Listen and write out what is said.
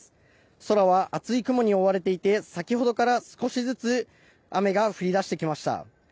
空は厚い雲に覆われていて先ほどから少しずつ雨が降り出してきました。